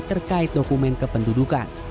terkait dokumen kependudukan